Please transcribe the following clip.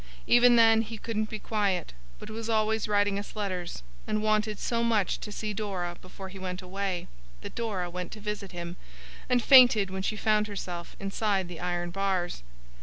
Even then he couldn't be quiet, but was always writing us letters; and wanted so much to see Dora before he went away, that Dora went to visit him, and fainted when she found herself inside the iron bars.